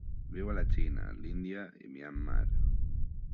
Viu a la Xina, l'Índia i Myanmar.